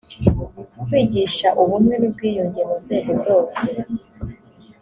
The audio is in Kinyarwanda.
kwigisha ubumwe n’ubwiyunge mu nzego zosee